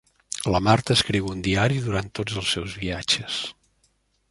La Marta escriu un diari durant tots els seus viatges